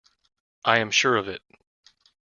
I am sure of it.